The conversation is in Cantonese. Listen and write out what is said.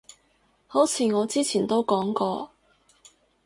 好似我之前都講過